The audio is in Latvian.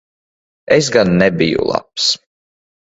Es gan nebiju labs.